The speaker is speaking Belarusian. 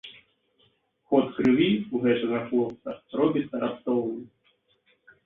Ход крыві ў гэтага хлопца робіцца раптоўны.